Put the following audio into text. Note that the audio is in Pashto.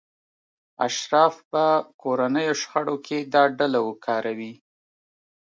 اشراف به کورنیو شخړو کې دا ډله وکاروي.